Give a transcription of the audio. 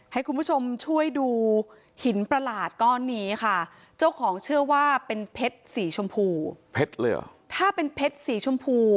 ให้คุณผู้ชมช่วยดูหินประหลาดก้อนนี้ค่ะเจ้าของเชื่อว่าเป็นเพชรสีชมพู